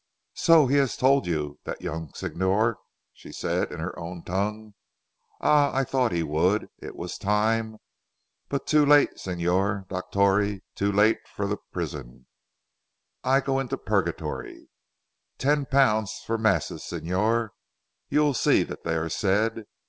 "So he has told you, that young Signor," she said in her own tongue, "ah! I thought he would. It was time but too late Signor Dottore too late for the prison. I go into Purgatory. Ten pounds for masses Signor. You will see that they are said.